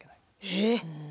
えっ！